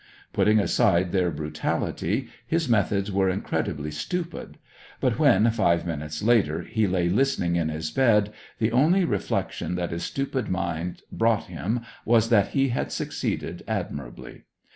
Putting aside their brutality, his methods were incredibly stupid; but when, five minutes later, he lay listening in his bed, the only reflection that his stupid mind brought him was that he had succeeded admirably.